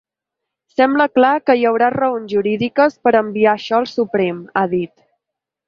Sembla clar que hi haurà raons jurídiques per enviar això al Suprem, ha dit.